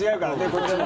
こっちも。